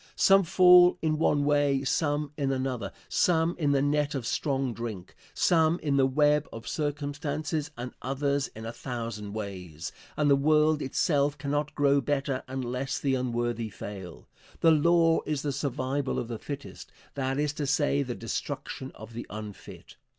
Some fall in one way, some in another; some in the net of strong drink, some in the web of circumstances and others in a thousand ways, and the world itself cannot grow better unless the unworthy fail. The law is the survival of the fittest, that is to say, the destruction of the unfit.